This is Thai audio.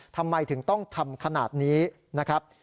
ทำไมถึงต้องทำขนาดนี้นะครับ